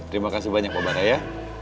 terima kasih banyak pak bara ya